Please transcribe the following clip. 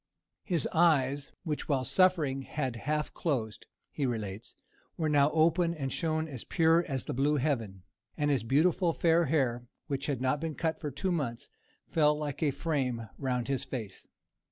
"His eyes, which while suffering had half closed," he relates, "were now open, and shone as pure as the blue heaven, and his beautiful fair hair, which had not been cut for two months, fell like a frame round his face."